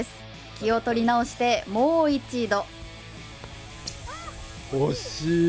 気を取り直して、もう一度。